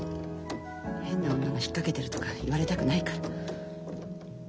変な女が引っ掛けてるとか言われたくないから。